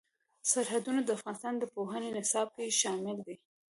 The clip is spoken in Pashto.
سرحدونه د افغانستان د پوهنې نصاب کې شامل دي.